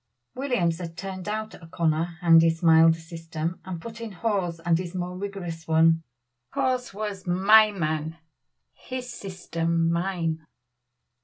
Williams had turned out O'Connor and his milder system, and put in Hawes and his more rigorous one. Hawes was "my man his system mine."